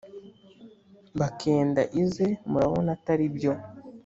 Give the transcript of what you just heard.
bakenda ize murabona ataribyo